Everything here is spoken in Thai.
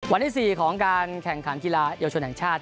วันที่๔ของการแข่งขันกีฬาเยาวชนแห่งชาติ